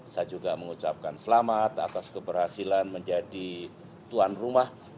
saya juga mengucapkan selamat atas keberhasilan menjadi tuan rumah